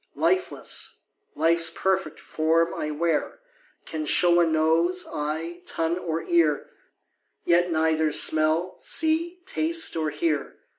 Lifeless, life's perfect form I wear, Can show a nose, eye, tongue, or ear, Yet neither smell, see, taste, or hear.